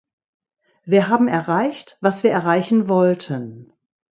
Wir haben erreicht, was wir erreichen wollten.